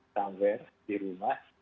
somewhere di rumah